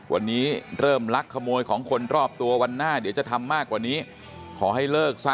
วันนี้เริ่มลักขโมยของคนรอบตัววันหน้าเดี๋ยวจะทำมากกว่านี้ขอให้เลิกซะ